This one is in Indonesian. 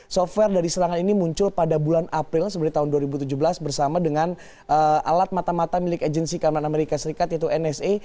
software dari serangan ini muncul pada bulan april seperti tahun dua ribu tujuh belas bersama dengan alat mata mata milik agensi keamanan amerika serikat yaitu nsa